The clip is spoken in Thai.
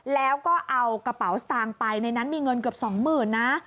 แล้วก็เอากระเป๋าสตางค์ไปในนั้นมีเงินเกือบสองหมื่นนะ